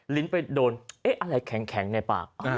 ลิ้นไปโดนเอ๊ะอะไรแข็งในปาก